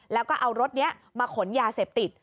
แล้วก็เอารถนี้มาขนยาเสพติด